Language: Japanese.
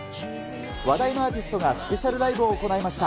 話題のアーティストがスペシャルライブを行いました。